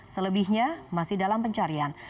selebihnya masih dalam pencarian